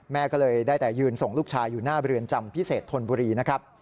แม่ก็เลยได้แต่ยืนส่งลูกชายอยู่หน้าเรือนจำพิเศษธนบุรีนะครับ